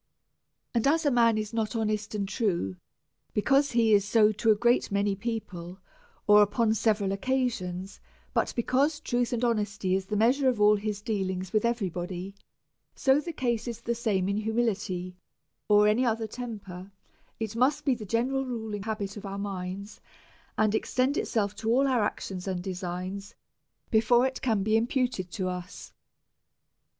And as a man is not honest and true, because he is not so to a great many peeple, or upon several occa sions, but because truth and honesty is the measure of all his dealings with every body, so the case is the same in humility or any other temper ; it must be the gene ral ruling habit of our minds, and extend itself to all our actions and designs, before it can be imputed to us.